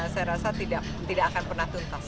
saya rasa tidak akan pernah tuntas